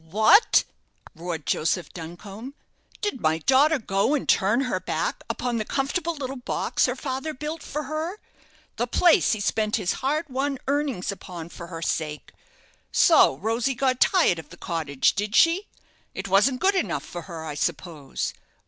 "What!" roared Joseph Duncombe; "did my daughter go and turn her back upon the comfortable little box her father built for her the place he spent his hard won earnings upon for her sake? So Rosy got tired of the cottage, did she? It wasn't good enough for her, I suppose.